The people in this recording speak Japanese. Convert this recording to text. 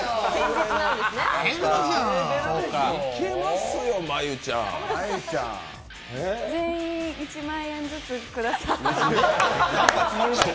いけますよ、真悠ちゃん。全員、１万円ずつください。